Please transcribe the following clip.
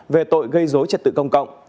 về tội gây dối trật tự công cộng